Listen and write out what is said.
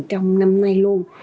của các doanh nghiệp hiện nay